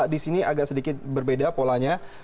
di sini agak sedikit berbeda polanya